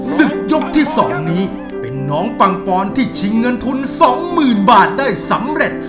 ศึกยกที่๒นี้เป็นน้องปังปอนที่ชิงเงินทุน๒๐๐๐บาทได้สำเร็จ